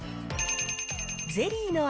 ゼリーの味